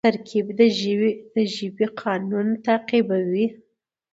ترکیب د ژبي قانون تعقیبوي.